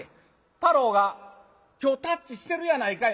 太郎が今日たっちしてるやないかい。